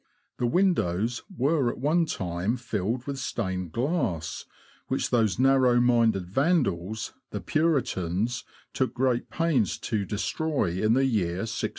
The windows were at one time filled with stained glass, which those narrow minded Vandals, the Puritans, took great pains to destroy in the year 1643.